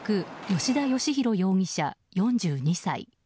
吉田芳洋容疑者、４２歳。